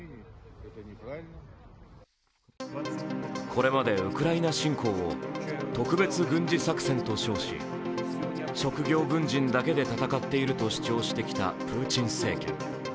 これまでウクライナ侵攻を特別軍事作戦と称し、職業軍人だけで戦っていると主張してきたプーチン政権。